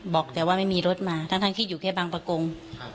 บอกแต่ว่าไม่มีรถมาทั้งที่อยู่แค่บางประกงครับ